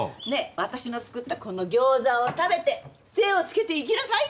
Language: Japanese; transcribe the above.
私の作ったこの餃子を食べて精をつけて行きなさい！